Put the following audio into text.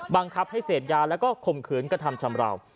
บังคับให้เสพยาแล้วก็ข่มขืนกระทำชำราว